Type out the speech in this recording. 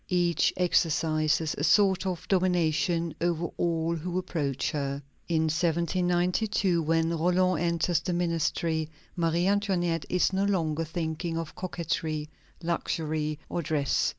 Each exercises a sort of domination over all who approach her. In 1792, when Roland enters the ministry, Marie Antoinette is no longer thinking of coquetry, luxury, or dress.